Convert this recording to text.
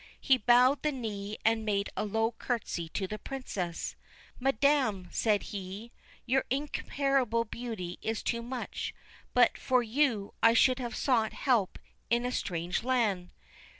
He bowed the knee and made a low curtsy to the Princess. 'Madam,' said he, 'your incompar able beauty is too much ; but for you I should have sought help in a strange land.'